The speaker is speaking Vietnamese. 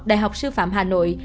đại học sư phạm hà nội